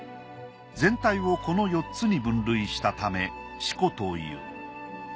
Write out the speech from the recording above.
全体をこの４つに分類したため「四庫」という。